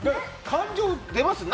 感情出ますよ。